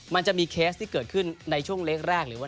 มันจะมีเคสที่เกิดขึ้นในช่วงเล็กแรกหรือว่า